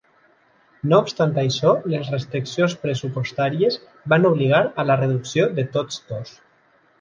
No obstant això, les restriccions pressupostàries van obligar a la reducció de tots dos.